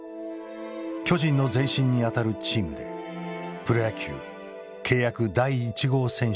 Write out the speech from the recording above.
巨人の前身にあたるチームでプロ野球契約第一号選手となった。